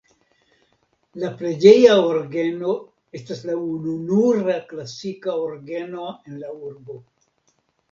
La preĝeja orgeno estas la ununura klasika orgeno en la urbo.